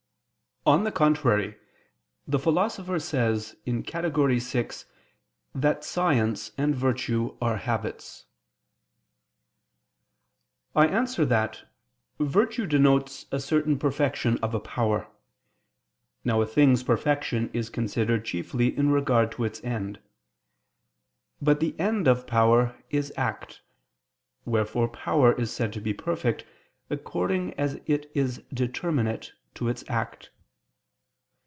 On the contrary, The Philosopher says (Categor. vi) that science and virtue are habits. I answer that, Virtue denotes a certain perfection of a power. Now a thing's perfection is considered chiefly in regard to its end. But the end of power is act. Wherefore power is said to be perfect, according as it is determinate to its act.